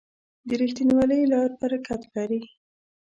د رښتینولۍ لار برکت لري.